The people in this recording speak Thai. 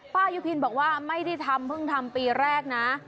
ยุพินบอกว่าไม่ได้ทำเพิ่งทำปีแรกนะ